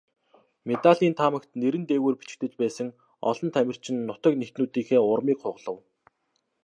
Медалийн таамагт нэр нь дээгүүр бичигдэж байсан олон тамирчин нутаг нэгтнүүдийнхээ урмыг хугалав.